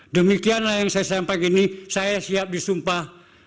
demikianlah yang saya sampaikan ini saya siap disumpah